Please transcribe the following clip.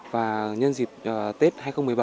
và nhân dịp tết hai nghìn một mươi bảy